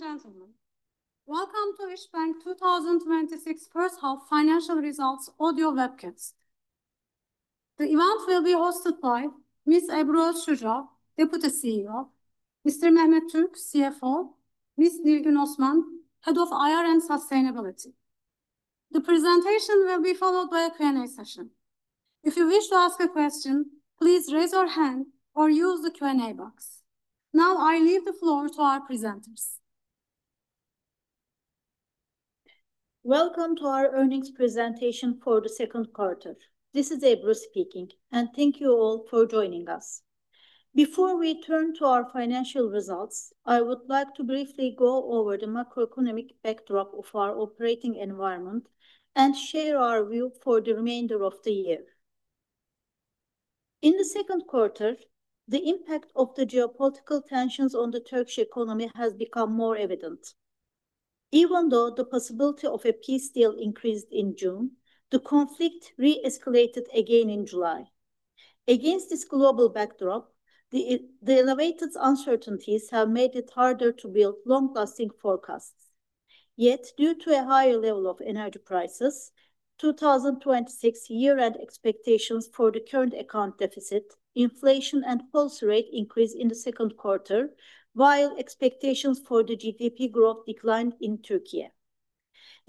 Ladies and gentlemen, welcome to İş Bank 2026 first half financial results audio webcast. The event will be hosted by Ms. Ebru Özşuca, Deputy CEO, Mr. Mehmet Türk, CFO, Ms. Nilgün Osman, Head of IR and Sustainability. The presentation will be followed by a Q&A session. If you wish to ask a question, please raise your hand or use the Q&A box. Now I leave the floor to our presenters. Welcome to our earnings presentation for the second quarter. This is Ebru speaking, and thank you all for joining us. Before we turn to our financial results, I would like to briefly go over the macroeconomic backdrop of our operating environment and share our view for the remainder of the year. In the second quarter, the impact of the geopolitical tensions on the Turkish economy has become more evident. Even though the possibility of a peace deal increased in June, the conflict re-escalated again in July. Against this global backdrop, the elevated uncertainties have made it harder to build long-lasting forecasts. Due to a higher level of energy prices, 2026 year-end expectations for the current account deficit, inflation, and policy rate increased in the second quarter, while expectations for the GDP growth declined in Türkiye.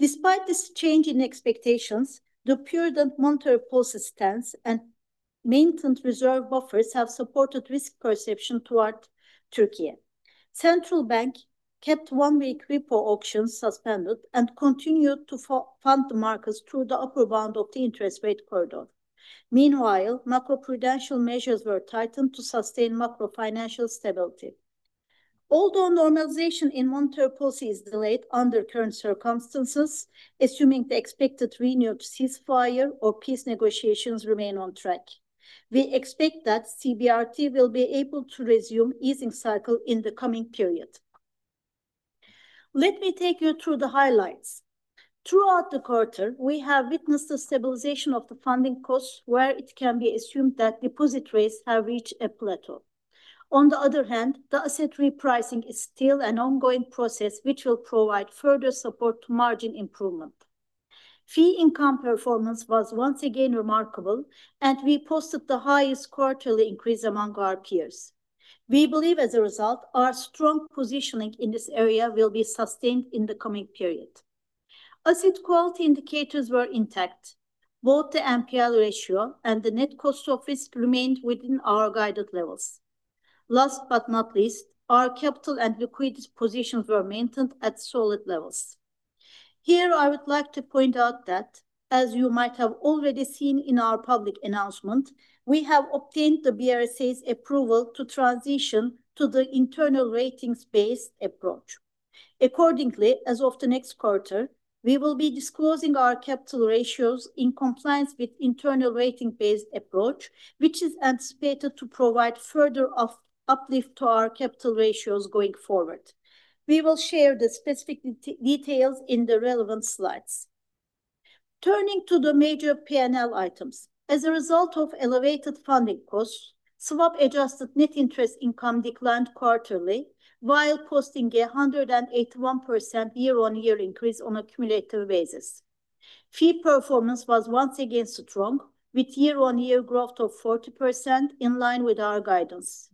Despite this change in expectations, the prudent monetary policy stance and maintained reserve buffers have supported risk perception toward Türkiye. Central Bank kept one-week repo auctions suspended and continued to fund the markets through the upper bound of the interest rate corridor. Macro-prudential measures were tightened to sustain macro-financial stability. Normalization in monetary policy is delayed under current circumstances, assuming the expected renewed ceasefire or peace negotiations remain on track, we expect that CBRT will be able to resume easing cycle in the coming period. Let me take you through the highlights. Throughout the quarter, we have witnessed the stabilization of the funding costs where it can be assumed that deposit rates have reached a plateau. The asset repricing is still an ongoing process which will provide further support to margin improvement. Fee income performance was once again remarkable, and we posted the highest quarterly increase among our peers. We believe, as a result, our strong positioning in this area will be sustained in the coming period. Asset quality indicators were intact. Both the NPL ratio and the net cost of risk remained within our guided levels. Last but not least, our capital and liquidity positions were maintained at solid levels. Here I would like to point out that, as you might have already seen in our public announcement, we have obtained the BRSA's approval to transition to the internal ratings-based approach. As of the next quarter, we will be disclosing our capital ratios in compliance with internal ratings-based approach, which is anticipated to provide further uplift to our capital ratios going forward. We will share the specific details in the relevant slides. Turning to the major P&L items. As a result of elevated funding costs, swap adjusted net interest income declined quarterly while posting a 181% year-on-year increase on a cumulative basis. Fee performance was once again strong, with year-on-year growth of 40% in line with our guidance.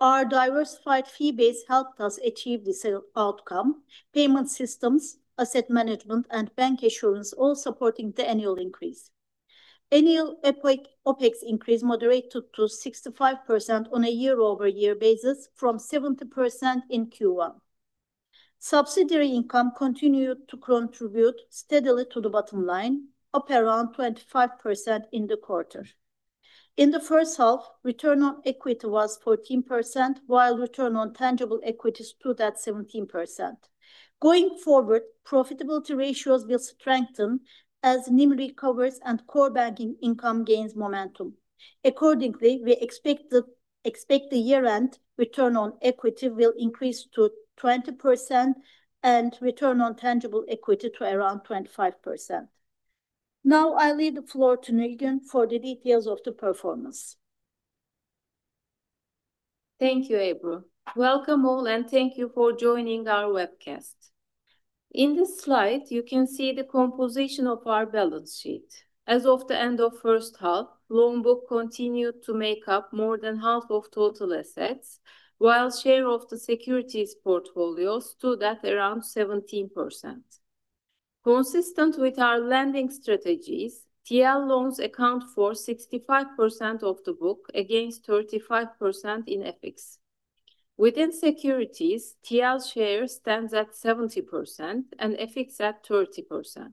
Our diversified fee base helped us achieve this outcome, payment systems, asset management, and bank assurance all supporting the annual increase. Annual OpEx increase moderated to 65% on a year-over-year basis from 70% in Q1. Subsidiary income continued to contribute steadily to the bottom line, up around 25% in the quarter. In the first half, return on equity was 14%, while return on tangible equity stood at 17%. Going forward, profitability ratios will strengthen as NIM recovers and core banking income gains momentum. Accordingly, we expect the year-end return on equity will increase to 20% and return on tangible equity to around 25%. I leave the floor to Nilgün for the details of the performance. Thank you, Ebru. Welcome all, and thank you for joining our webcast. In this slide, you can see the composition of our balance sheet. As of the end of first half, loan book continued to make up more than half of total assets, while share of the securities portfolios stood at around 17%. Consistent with our lending strategies, TL loans account for 65% of the book against 35% in FX. Within securities, TL share stands at 70% and FX at 30%.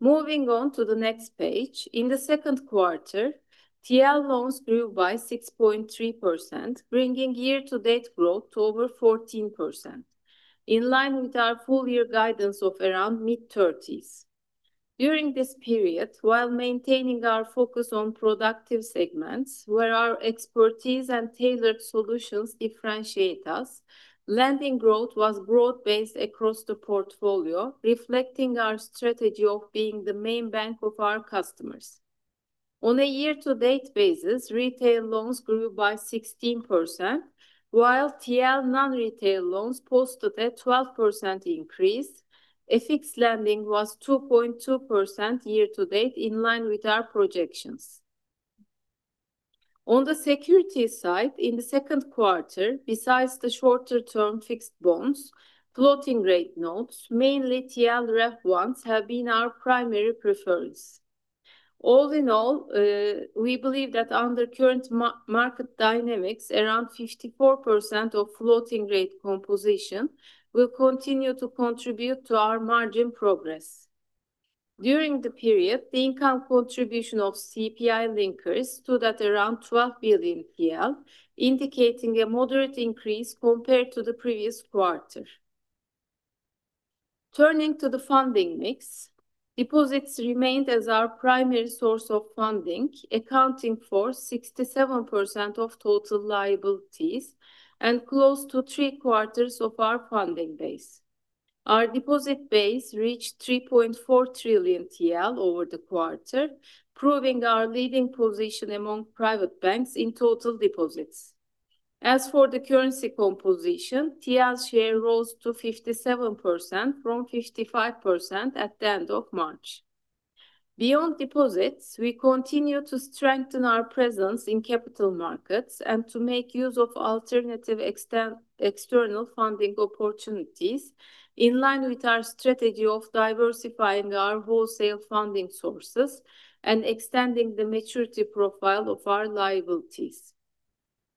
Moving on to the next page. In the second quarter, TL loans grew by 6.3%, bringing year-to-date growth to over 14%, in line with our full-year guidance of around mid-30s. During this period, while maintaining our focus on productive segments where our expertise and tailored solutions differentiate us, lending growth was broad based across the portfolio, reflecting our strategy of being the main bank of our customers. On a year-to-date basis, retail loans grew by 16%, while TL non-retail loans posted a 12% increase. FX lending was 2.2% year-to-date, in line with our projections. On the securities side, in the second quarter, besides the shorter term fixed bonds, floating rate notes, mainly TLREF ones, have been our primary preference. All in all, we believe that under current market dynamics, around 54% of floating rate composition will continue to contribute to our margin progress. During the period, the income contribution of CPI linkers stood at around 12 billion, indicating a moderate increase compared to the previous quarter. Turning to the funding mix, deposits remained as our primary source of funding, accounting for 67% of total liabilities and close to three quarters of our funding base. Our deposit base reached 3.4 trillion TL over the quarter, proving our leading position among private banks in total deposits. As for the currency composition, TL share rose to 57% from 55% at the end of March. Beyond deposits, we continue to strengthen our presence in capital markets and to make use of alternative external funding opportunities in line with our strategy of diversifying our wholesale funding sources and extending the maturity profile of our liabilities.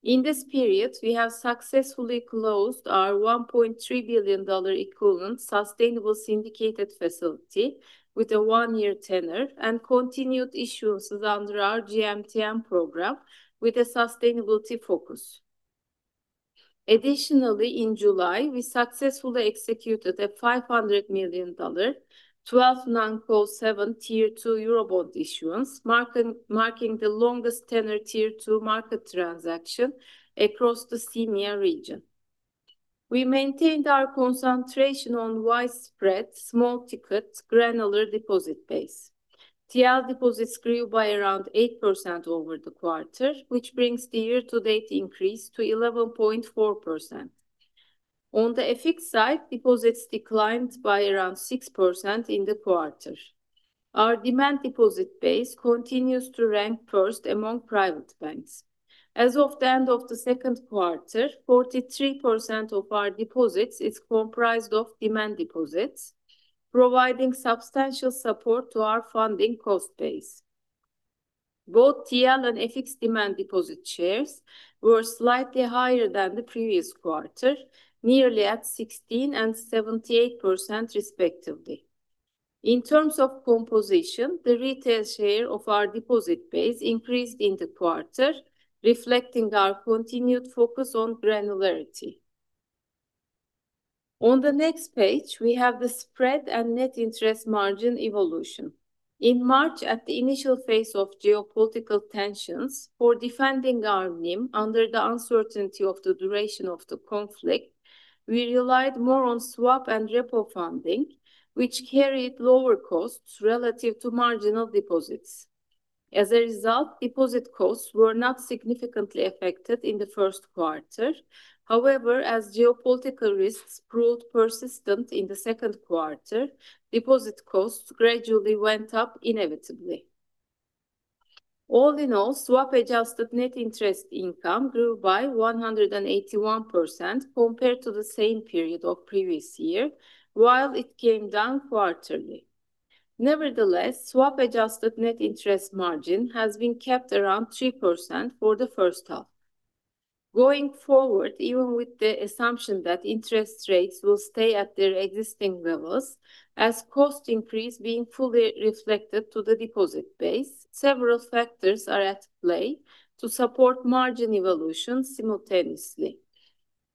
In this period, we have successfully closed our $1.3 billion equivalent sustainable syndicated facility with a one-year tenor and continued issuances under our GMTN program with a sustainability focus. Additionally, in July, we successfully executed a $500 million 12-Year Non-Call 7 Tier 2 Eurobond issuance, marking the longest tenor Tier 2 market transaction across the CEEMEA region. We maintained our concentration on widespread, small ticket, granular deposit base. TL deposits grew by around 8% over the quarter, which brings the year-to-date increase to 11.4%. On the FX side, deposits declined by around 6% in the quarter. Our demand deposit base continues to rank first among private banks. As of the end of the second quarter, 43% of our deposits is comprised of demand deposits, providing substantial support to our funding cost base. Both TL and FX demand deposit shares were slightly higher than the previous quarter, nearly at 16% and 78%, respectively. In terms of composition, the retail share of our deposit base increased in the quarter, reflecting our continued focus on granularity. On the next page, we have the spread and net interest margin evolution. In March, at the initial phase of geopolitical tensions for defending our NIM under the uncertainty of the duration of the conflict, we relied more on swap and repo funding, which carried lower costs relative to marginal deposits. As a result, deposit costs were not significantly affected in the first quarter. However, as geopolitical risks proved persistent in the second quarter, deposit costs gradually went up inevitably. All in all, swap adjusted net interest income grew by 181% compared to the same period of previous year, while it came down quarterly. Nevertheless, swap adjusted net interest margin has been kept around 3% for the first half. Going forward, even with the assumption that interest rates will stay at their existing levels as cost increase being fully reflected to the deposit base, several factors are at play to support margin evolution simultaneously.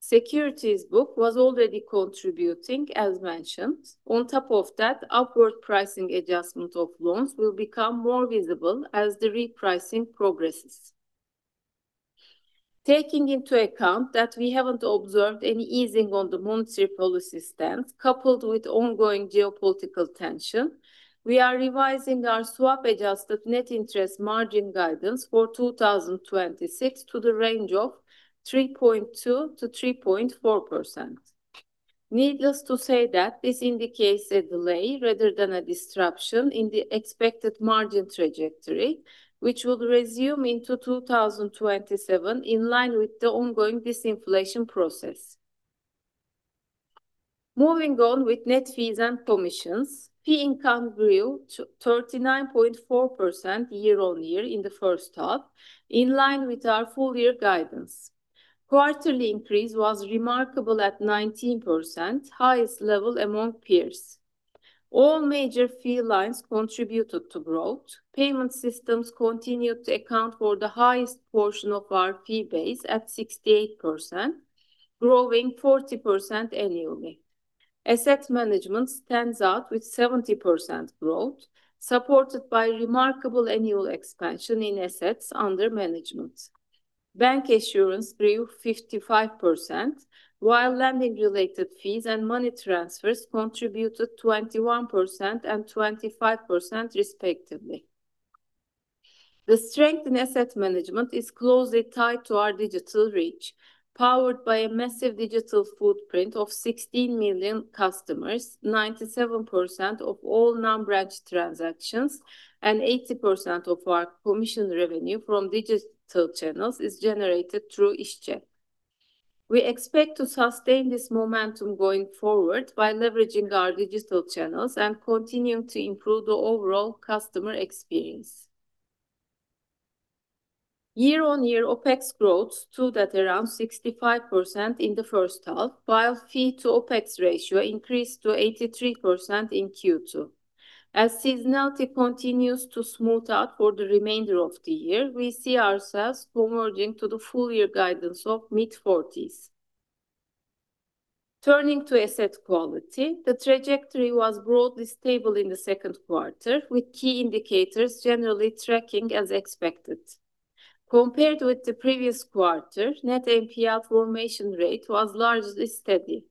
Securities book was already contributing, as mentioned. On top of that, upward pricing adjustment of loans will become more visible as the repricing progresses. Taking into account that we haven't observed any easing on the monetary policy stance, coupled with ongoing geopolitical tension, we are revising our swap adjusted net interest margin guidance for 2026 to the range of 3.2%-3.4%. Needless to say that this indicates a delay rather than a disruption in the expected margin trajectory, which would resume into 2027 in line with the ongoing disinflation process. Moving on with net fees and commissions, fee income grew to 39.4% year-on-year in the first half, in line with our full-year guidance. Quarterly increase was remarkable at 19%, highest level among peers. All major fee lines contributed to growth. Payment systems continued to account for the highest portion of our fee base at 68%, growing 40% annually. Asset management stands out with 70% growth, supported by remarkable annual expansion in assets under management. Bank assurance grew 55%, while lending related fees and money transfers contributed 21% and 25% respectively. The strength in asset management is closely tied to our digital reach, powered by a massive digital footprint of 16 million customers, 97% of all non-branch transactions, and 80% of our commission revenue from digital channels is generated through İşCep. We expect to sustain this momentum going forward by leveraging our digital channels and continuing to improve the overall customer experience. Year-on-year OpEx growth stood at around 65% in the first half, while fee to OpEx ratio increased to 83% in Q2. As seasonality continues to smooth out for the remainder of the year, we see ourselves converging to the full-year guidance of mid-40s. Turning to asset quality, the trajectory was broadly stable in the second quarter, with key indicators generally tracking as expected. Compared with the previous quarter, net NPL formation rate was largely steady.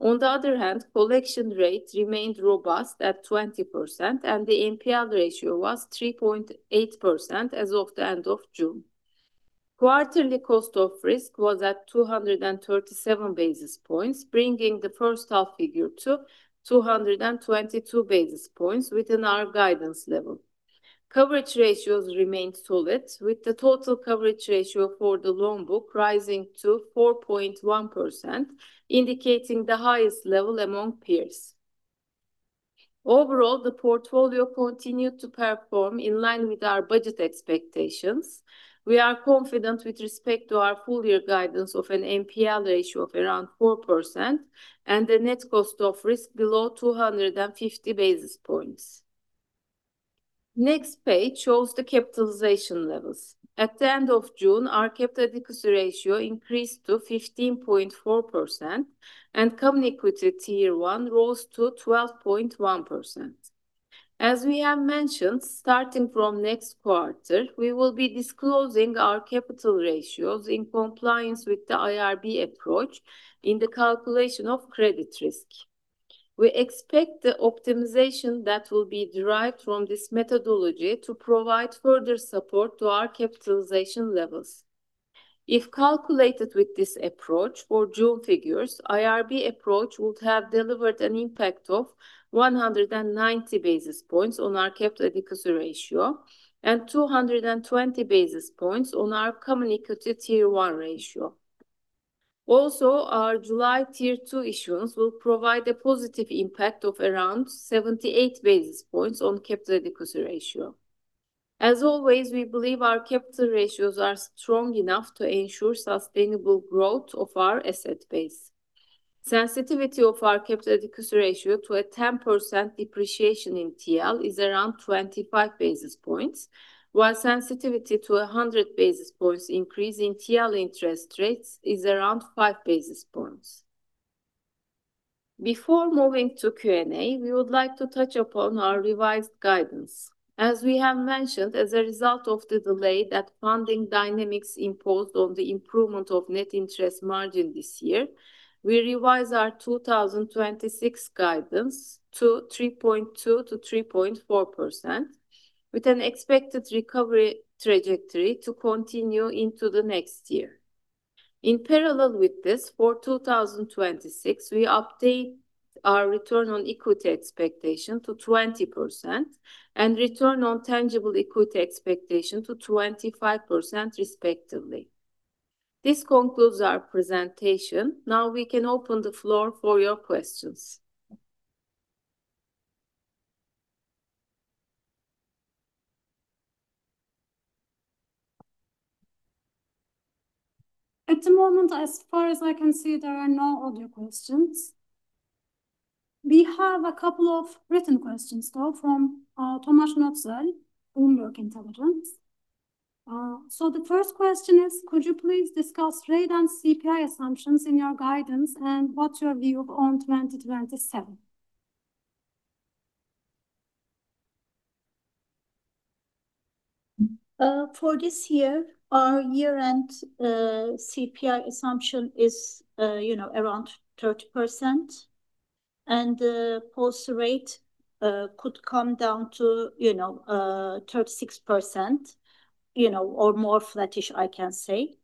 On the other hand, collection rate remained robust at 20%, and the NPL ratio was 3.8% as of the end of June. Quarterly cost of risk was at 237 basis points, bringing the first half figure to 222 basis points within our guidance level. Coverage ratios remained solid, with the total coverage ratio for the loan book rising to 4.1%, indicating the highest level among peers. Overall, the portfolio continued to perform in line with our budget expectations. We are confident with respect to our full-year guidance of an NPL ratio of around 4% and the net cost of risk below 250 basis points. Next page shows the capitalization levels. At the end of June, our capital adequacy ratio increased to 15.4%, and Common Equity Tier 1 rose to 12.1%. As we have mentioned, starting from next quarter, we will be disclosing our capital ratios in compliance with the IRB approach in the calculation of credit risk. We expect the optimization that will be derived from this methodology to provide further support to our capitalization levels. If calculated with this approach for June figures, IRB approach would have delivered an impact of 190 basis points on our capital adequacy ratio and 220 basis points on our Common Equity Tier 1 ratio. Also, our July Tier 2 issuance will provide a positive impact of around 78 basis points on capital adequacy ratio. Sensitivity of our capital adequacy ratio to a 10% depreciation in TL is around 25 basis points, while sensitivity to 100 basis points increase in TL interest rates is around 5 basis points. Before moving to Q&A, we would like to touch upon our revised guidance. As we have mentioned, as a result of the delay that funding dynamics imposed on the improvement of net interest margin this year, we revise our 2026 guidance to 3.2%-3.4%, with an expected recovery trajectory to continue into the next year. In parallel with this, for 2026, we update our return on equity expectation to 20% and return on tangible equity expectation to 25% respectively. This concludes our presentation. Now we can open the floor for your questions. At the moment, as far as I can see, there are no audio questions. We have a couple of written questions, though, from Tomasz Noetzel, Bloomberg Intelligence. The first question is, could you please discuss rate and CPI assumptions in your guidance, and what's your view on 2027? For this year, our year-end CPI assumption is around 30%, and the policy rate could come down to 36% or more flattish, I can say.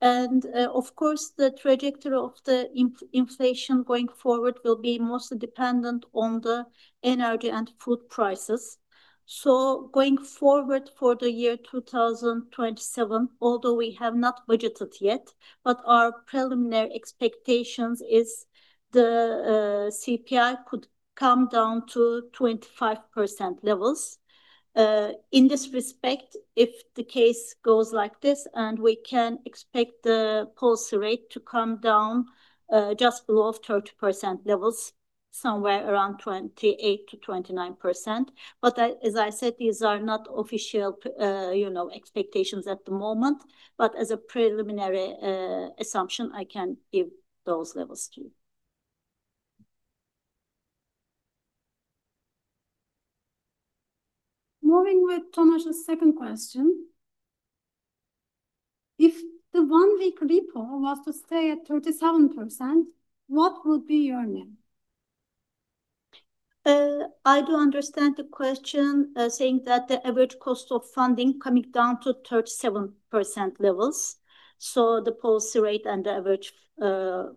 Of course, the trajectory of the inflation going forward will be mostly dependent on the energy and food prices. Going forward for the year 2027, although we have not budgeted yet, our preliminary expectations is the CPI could come down to 25% levels. In this respect, if the case goes like this, we can expect the policy rate to come down just below of 30% levels, somewhere around 28%-29%. As I said, these are not official expectations at the moment, but as a preliminary assumption, I can give those levels to you. Moving with Tomas' second question. If the one-week repo was to stay at 37%, what would be your NIM? I do understand the question, saying that the average cost of funding coming down to 37% levels, the policy rate and the average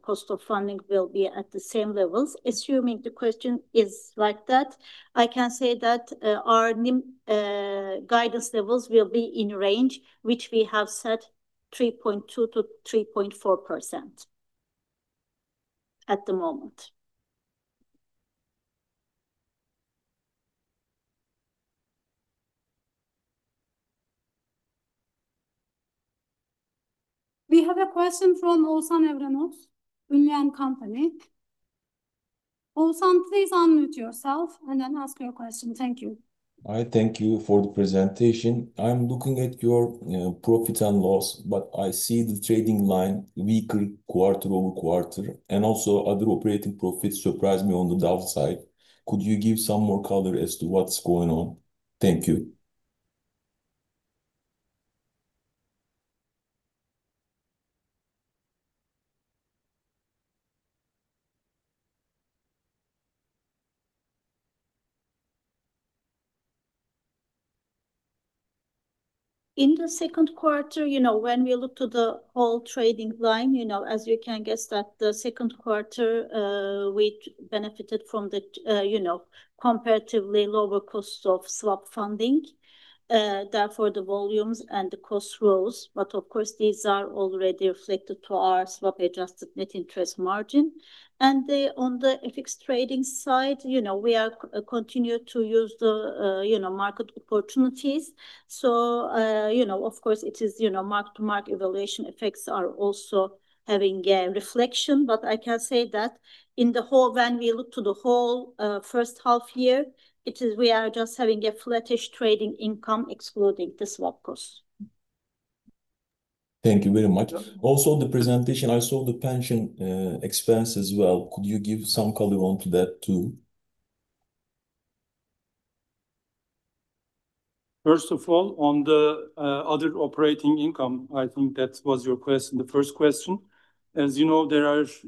cost of funding will be at the same levels. Assuming the question is like that, I can say that our NIM guidance levels will be in range, which we have set 3.2%-3.4% at the moment. We have a question from [Ozan Evrenoglu, Union Company]. [Ozan], please unmute yourself and then ask your question. Thank you. I thank you for the presentation. I am looking at your profit and loss, I see the trading line weaker quarter-over-quarter, Also other operating profits surprise me on the downside. Could you give some more color as to what is going on? Thank you. In the second quarter, when we look to the whole trading line, as you can guess that the second quarter we benefited from the comparatively lower cost of swap funding, therefore the volumes and the cost rose. Of course, these are already reflected to our swap-adjusted net interest margin. On the FX trading side, we are continue to use the market opportunities. Of course, it is mark-to-market evaluation effects are also having a reflection. I can say that when we look to the whole first half year, it is we are just having a flattish trading income excluding the swap cost. Thank you very much. Also, the presentation, I saw the pension expense as well. Could you give some color onto that, too? First of all, on the other operating income, I think that was your first question. As you know, there is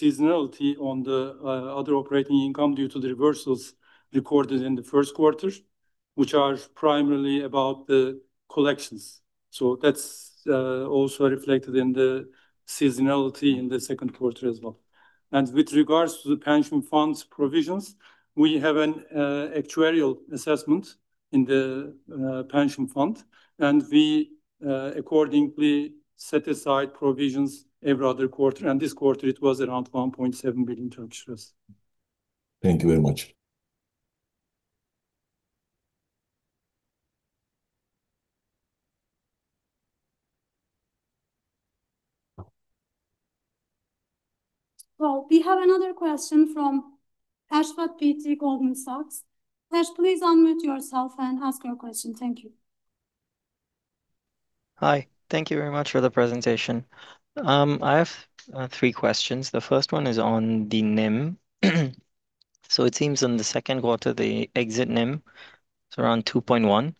seasonality on the other operating income due to the reversals recorded in the first quarter, which are primarily about the collections. That's also reflected in the seasonality in the second quarter as well. With regards to the pension funds provisions, we have an actuarial assessment in the pension fund, and we accordingly set aside provisions every other quarter, and this quarter it was around 1.7 billion. Thank you very much. Well, we have another question from Ashwath P.T., Goldman Sachs. Ash, please unmute yourself and ask your question. Thank you. Hi. Thank you very much for the presentation. I have three questions. The first one is on the NIM. It seems on the second quarter, the exit NIM is around 2.1%,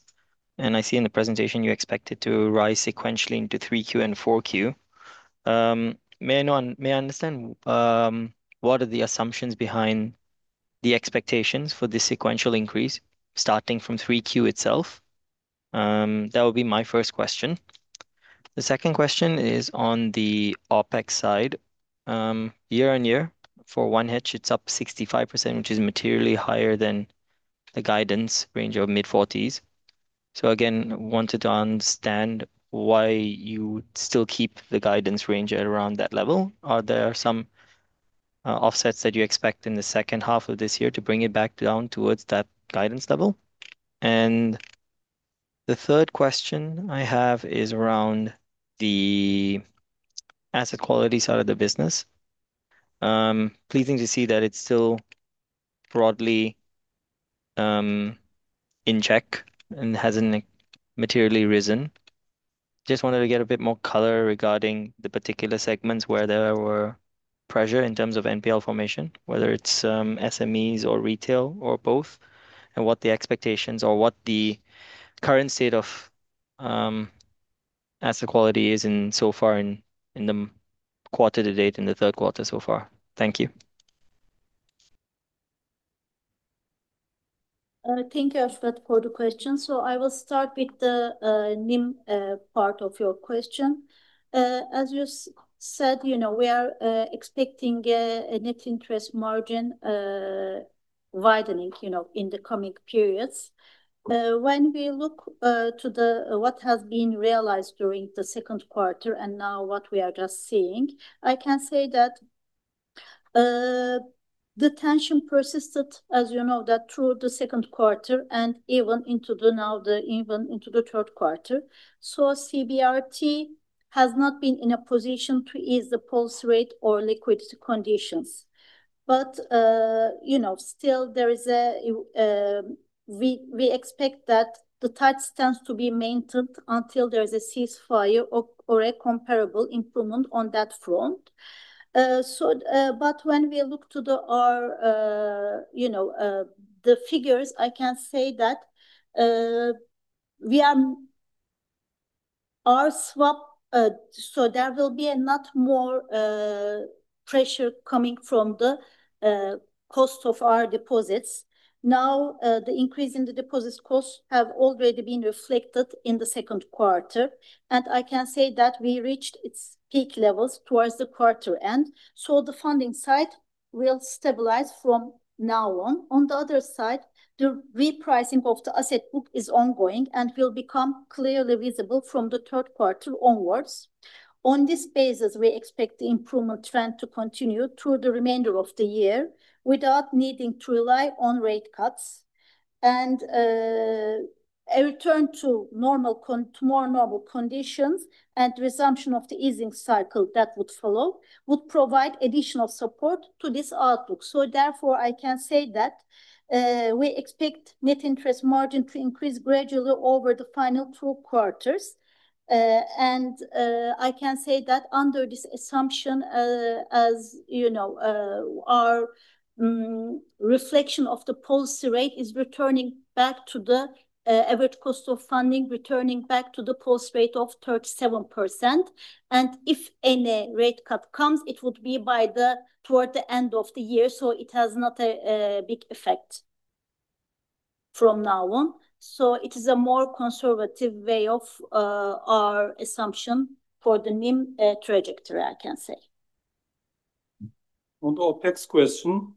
and I see in the presentation you expect it to rise sequentially into 3Q and 4Q. May I understand what are the assumptions behind the expectations for the sequential increase, starting from 3Q itself? That would be my first question. The second question is on the OpEx side. Year-on-year, for one hedge, it's up 65%, which is materially higher than the guidance range of mid-40s. Again, wanted to understand why you would still keep the guidance range at around that level. Are there some offsets that you expect in the second half of this year to bring it back down towards that guidance level? The third question I have is around the asset quality side of the business. Pleasing to see that it's still broadly in check and hasn't materially risen. Just wanted to get a bit more color regarding the particular segments where there were pressure in terms of NPL formation, whether it's SMEs or retail or both, and what the expectations or what the current state of asset quality is in so far in the quarter to date in the third quarter so far. Thank you. Thank you, Ash, for the question. I will start with the NIM part of your question. As you said, we are expecting a net interest margin widening in the coming periods. When we look to what has been realized during the second quarter and now what we are just seeing, I can say that the tension persisted, as you know, through the second quarter and even into the third quarter. CBRT has not been in a position to ease the policy rate or liquidity conditions. We expect that the touch tends to be maintained until there is a ceasefire or a comparable improvement on that front. When we look to the figures, I can say that our swap, there will be a lot more pressure coming from the cost of our deposits. The increase in the deposits cost have already been reflected in the second quarter. I can say that we reached its peak levels towards the quarter end. The funding side will stabilize from now on. On the other side, the repricing of the asset book is ongoing and will become clearly visible from the third quarter onwards. On this basis, we expect the improvement trend to continue through the remainder of the year without needing to rely on rate cuts. A return to more normal conditions and resumption of the easing cycle that would follow would provide additional support to this outlook. I can say that we expect net interest margin to increase gradually over the final two quarters. I can say that under this assumption, as you know, our reflection of the policy rate is returning back to the average cost of funding, returning back to the policy rate of 37%. If any rate cut comes, it would be toward the end of the year, it has not a big effect from now on. It is a more conservative way of our assumption for the NIM trajectory, I can say. On the OpEx question,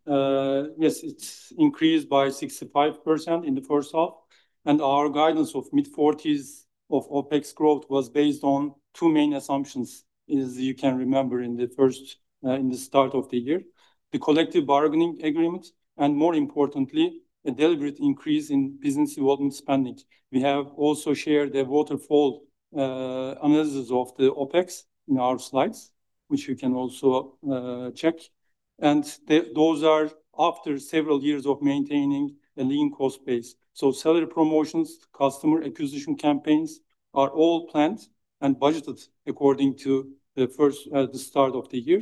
yes, it's increased by 65% in the first half. Our guidance of mid-40s of OpEx growth was based on two main assumptions, as you can remember in the start of the year, the collective bargaining agreement, and more importantly, a deliberate increase in business development spending. We have also shared a waterfall analysis of the OpEx in our slides, which you can also check. Those are after several years of maintaining a lean cost base. Salary promotions, customer acquisition campaigns are all planned and budgeted according to the start of the year.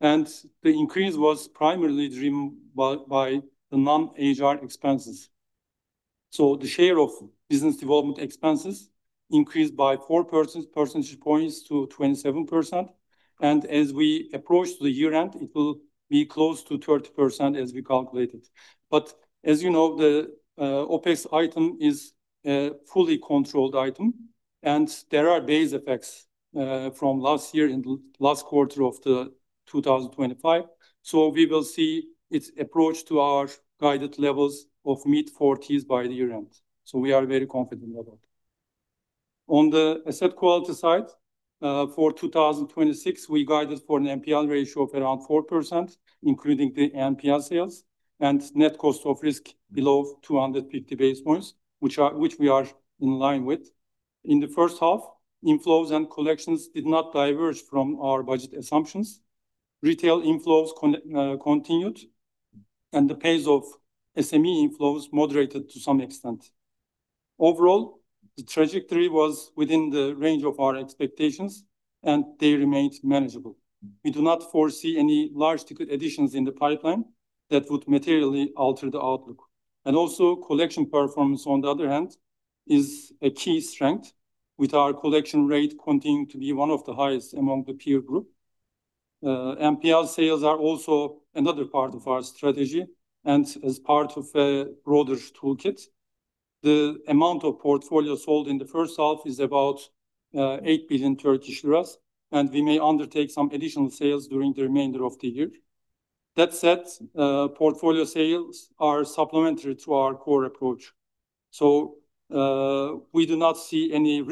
The increase was primarily driven by the non-HR expenses. The share of business development expenses increased by 4 percentage points to 27%. As we approach the year-end, it will be close to 30% as we calculated. As you know, the OpEx item is a fully controlled item, and there are base effects from last year in last quarter of the 2025. We will see its approach to our guided levels of mid-40s by the year-end. We are very confident about it. On the asset quality side, for 2026, we guided for an NPL ratio of around 4%, including the NPL sales, and net cost of risk below 250 basis points, which we are in line with. In the first half, inflows and collections did not diverge from our budget assumptions. Retail inflows continued, and the pace of SME inflows moderated to some extent. Overall, the trajectory was within the range of our expectations, and they remained manageable. We do not foresee any large ticket additions in the pipeline that would materially alter the outlook. Also, collection performance, on the other hand, is a key strength, with our collection rate continuing to be one of the highest among the peer group. NPL sales are also another part of our strategy, and as part of a broader toolkit. The amount of portfolio sold in the first half is about 8 billion Turkish lira, and we may undertake some additional sales during the remainder of the year. That said, portfolio sales are supplementary to our core approach. We do not see any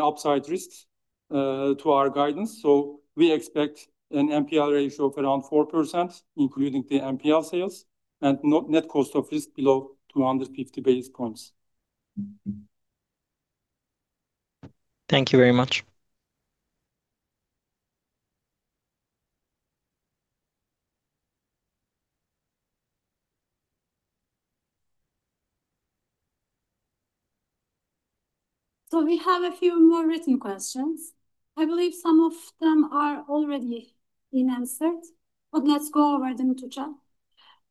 upside risks to our guidance. We expect an NPL ratio of around 4%, including the NPL sales, and net cost of risk below 250 basis points. Thank you very much. We have a few more written questions. I believe some of them have already been answered, but let's go over them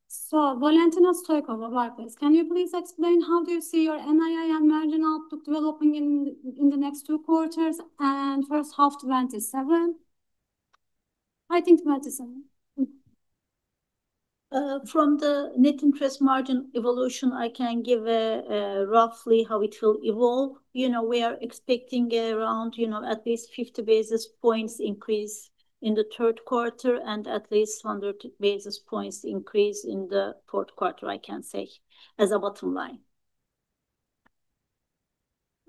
together. Valentina Stoykova writes, can you please explain how do you see your NII and marginal outlook developing in the next two quarters and first half 2027? I think 2027. From the net interest margin evolution, I can give roughly how it will evolve. We are expecting around at least 50 basis points increase in the third quarter, and at least 100 basis points increase in the fourth quarter, I can say as a bottom-line.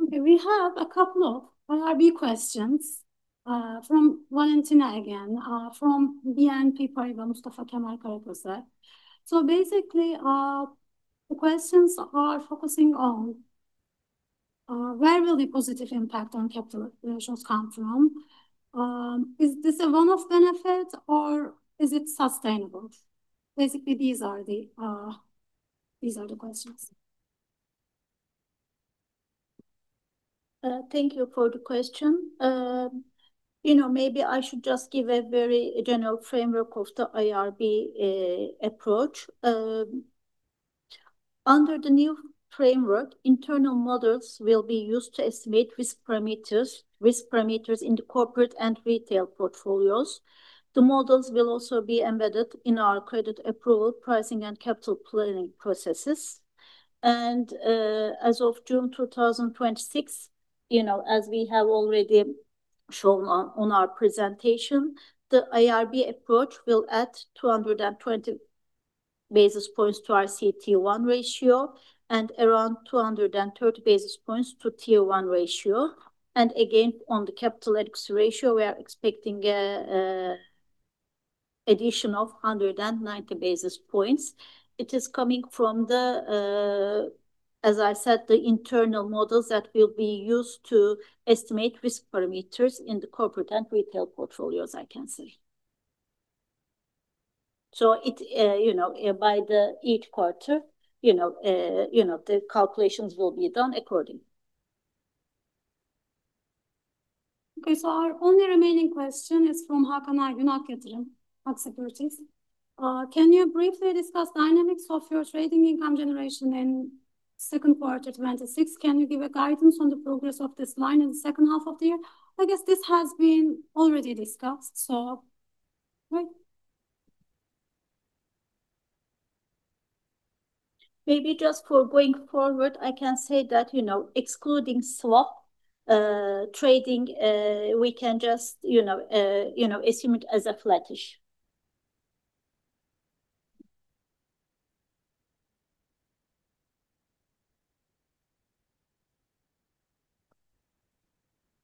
Okay. We have a couple of IRB questions from Valentina again, from BNP Paribas. Mustafa Kemal Karaköse says. Basically, the questions are focusing on where the positive impact on capital ratios will come from. Is this a one-off benefit or is it sustainable? Basically, these are the questions. Thank you for the question. Maybe I should just give a very general framework of the IRB approach. Under the new framework, internal models will be used to estimate risk parameters in the corporate and retail portfolios. The models will also be embedded in our credit approval, pricing, and capital planning processes. As of June 2026, as we have already shown on our presentation, the IRB approach will add 220 basis points to our CET1 ratio and around 230 basis points to Tier 1 ratio. Again, on the capital adequacy ratio, we are expecting addition of 190 basis points. It is coming from the, as I said, the internal models that will be used to estimate risk parameters in the corporate and retail portfolios, I can say. By each quarter, the calculations will be done accordingly. Okay. Our only remaining question is from Hakan Aydoğan, Ak Yatırım. Can you briefly discuss dynamics of your trading income generation in second quarter 2026? Can you give a guidance on the progress of this line in the second half of the year? I guess this has already been discussed. Right. Maybe just for going forward, I can say that excluding swap trading, we can just assume it as a flattish.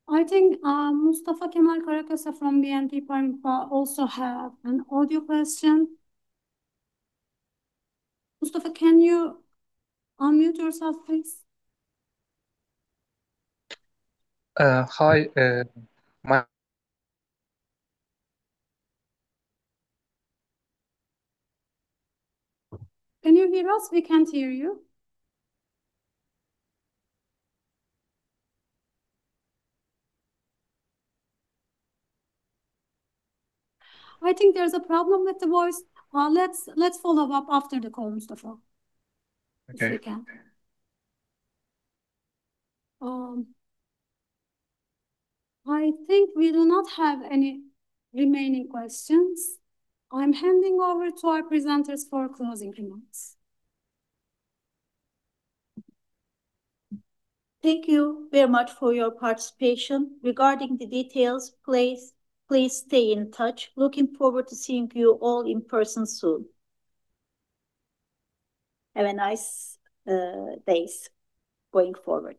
I think Mustafa Kemal Karaköse from BNP Paribas also have an audio question. Mustafa, can you unmute yourself, please? Hi. Can you hear us? We can't hear you. I think there's a problem with the voice. Let's follow up after the call, Mustafa. Okay. If we can. I think we do not have any remaining questions. I'm handing over to our presenters for closing remarks. Thank you very much for your participation. Regarding the details, please stay in touch. Looking forward to seeing you all in person soon. Have a nice day going forward.